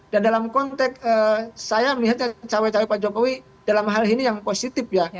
dan dalam konteks saya melihatnya cowok cowok pak jokowi dalam hal ini yang positif ya